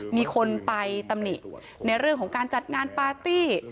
มีคนไปตำหนิในเรื่องของการจัดงานปาร์ตี้